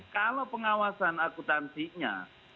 kalau pengawasan akuntansinya